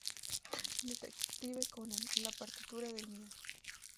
Detective Conan: La partitura del miedo